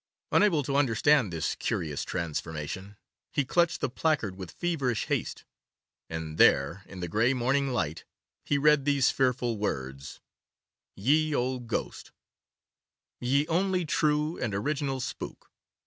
Unable to understand this curious transformation, he clutched the placard with feverish haste, and there, in the grey morning light, he read these fearful words:— YE OLDE GHOSTE Ye Onlie True and Originale Spook.